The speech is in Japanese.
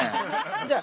じゃあ。